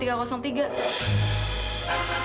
wah berarti salah kamarnya